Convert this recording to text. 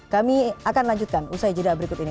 kami akan lanjutkan usai jeda berikut ini